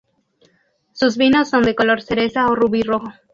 Sus vinos son de color cereza o rubí rojo.